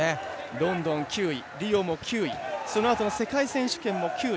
ロンドン９位、リオも９位世界選手権も９位。